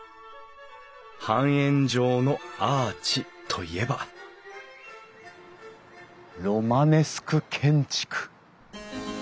半円状のアーチといえばロマネスク建築。